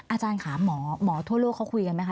อาจารย์ค่ะหมอทั่วโลกเขาคุยกันไหมค